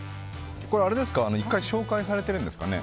１回紹介されてるんですかね。